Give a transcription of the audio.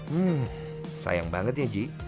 hmm sayang banget ya ji